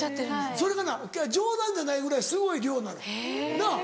それがな冗談じゃないぐらいすごい量なのなぁ。